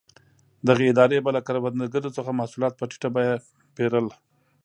دغې ادارې به له کروندګرو څخه محصولات په ټیټه بیه پېرل.